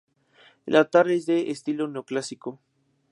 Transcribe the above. El altar es de estilo neoclásico.